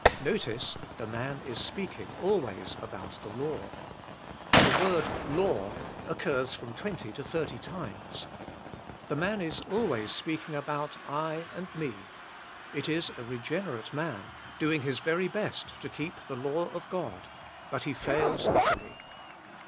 Notice, the man is speaking always about the law. The word law occurs from twenty to thirty times. The man is always speaking about I and me. It is a regen erate man, doing his very best to keep the law of God, but he fails utterly.